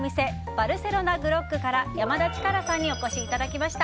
バルセロナグロックから山田チカラさんにお越しいただきました。